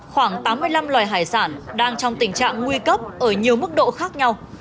khoảng tám mươi năm loài hải sản đang trong tình trạng nguy cấp ở nhiều mức độ khác nhau